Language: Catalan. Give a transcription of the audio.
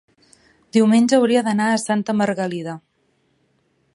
Diumenge hauria d'anar a Santa Margalida.